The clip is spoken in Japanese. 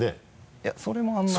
いやそれもあんまり。